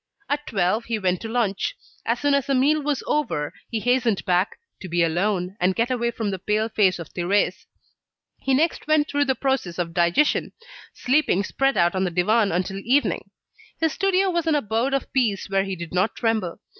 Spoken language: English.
At twelve he went to lunch. As soon as the meal was over, he hastened back, to be alone, and get away from the pale face of Thérèse. He next went through the process of digestion, sleeping spread out on the divan until evening. His studio was an abode of peace where he did not tremble.